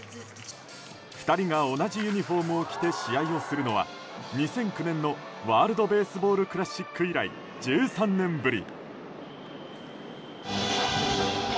２人が同じユニホームを着て試合をするのは２００９年のワールド・ベースボール・クラシック以来１３年ぶり。